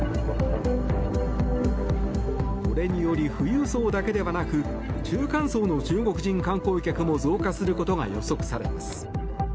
これにより富裕層だけではなく中華の巣の中国人観光客も増加することが予測されます。